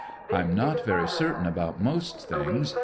"I'm not very certain about most things.